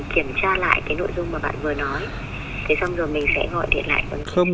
thế xong rồi mình sẽ gọi điện lại